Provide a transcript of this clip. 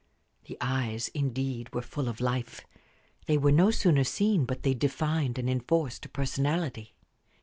The eyes, indeed, were full of life; they were no sooner seen but they defined and enforced a personality.